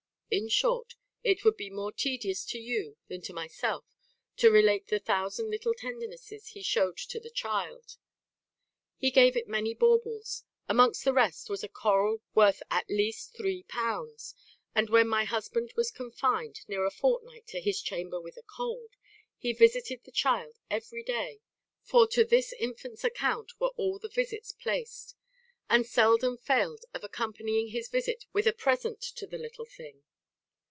In short, it would be more tedious to you than to myself to relate the thousand little tendernesses he shewed to the child. He gave it many baubles; amongst the rest was a coral worth at least three pounds; and, when my husband was confined near a fortnight to his chamber with a cold, he visited the child every day (for to this infant's account were all the visits placed), and seldom failed of accompanying his visit with a present to the little thing.